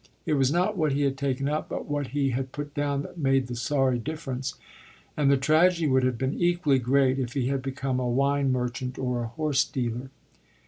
It was not what he had taken up but what he had put down that made the sorry difference, and the tragedy would have been equally great if he had become a wine merchant or a horse dealer.